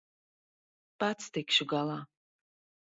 Pats tikšu galā.